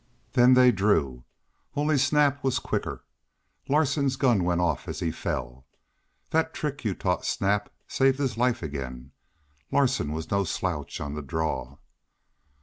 Then they drew only Snap was quicker. Larsen's gun went off as he fell. That trick you taught Snap saved his life again. Larsen was no slouch on the draw."